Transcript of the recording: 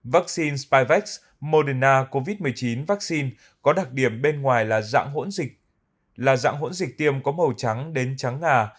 vắc xin spivax moderna covid một mươi chín vắc xin có đặc điểm bên ngoài là dạng hỗn dịch tiêm có màu trắng đến trắng ngà